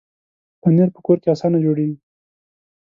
پنېر په کور کې اسانه جوړېږي.